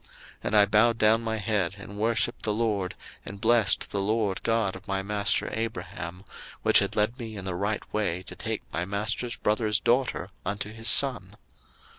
01:024:048 And I bowed down my head, and worshipped the LORD, and blessed the LORD God of my master Abraham, which had led me in the right way to take my master's brother's daughter unto his son.